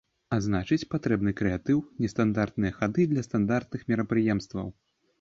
А значыць, патрэбны крэатыў, нестандартныя хады для стандартных мерапрыемстваў.